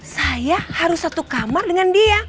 saya harus satu kamar dengan dia